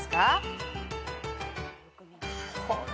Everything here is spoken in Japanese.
これ。